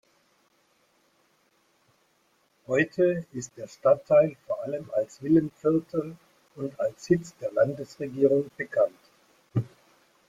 Heute ist der Stadtteil vor allem als Villenviertel und als Sitz der Landesregierung bekannt.